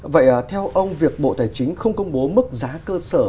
vậy theo ông việc bộ tài chính không công bố mức giá cơ sở